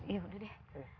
iya boleh deh